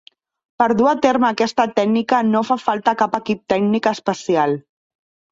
Per dur a terme aquesta tècnica no fa falta cap equip tècnic especial.